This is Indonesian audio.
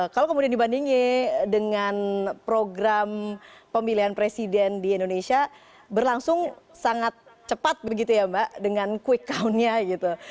kalau kemudian dibandingin dengan program pemilihan presiden di indonesia berlangsung sangat cepat begitu ya mbak dengan quick countnya gitu